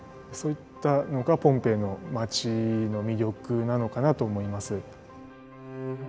そういったのがポンペイの街の魅力なのかなと思います。